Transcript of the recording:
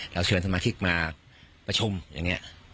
เชิญสมาชิกมาประชุมอย่างนี้